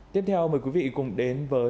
tiếp theo mời quý vị cùng đến với